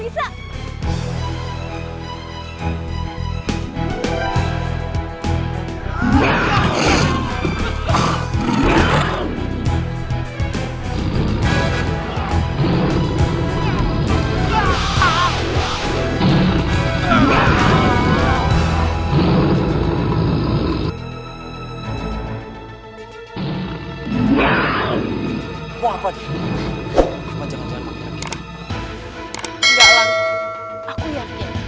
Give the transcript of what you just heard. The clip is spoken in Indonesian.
sakti memang manusia